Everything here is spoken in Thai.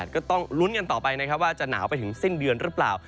ก็ต้องลุ้นกันต่อไปนะครับว่าจะหนาวไปถึงสิ้นเดือนหรือเปล่า